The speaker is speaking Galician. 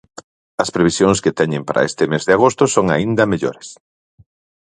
As previsións que teñen para este mes de agosto son aínda mellores.